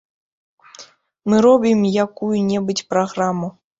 Мы робім якую-небудзь праграму.